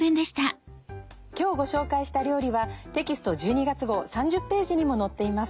今日ご紹介した料理はテキスト１２月号３０ページにも載っています。